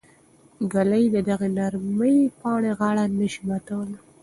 ږلۍ د دغې نرمې پاڼې غاړه نه شي ماتولی.